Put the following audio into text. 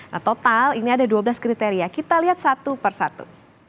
nah total ini ada dua belas kriteria kita lihat satu persatu